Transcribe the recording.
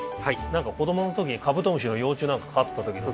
何か子どもの時にカブトムシの幼虫なんかを飼った時の。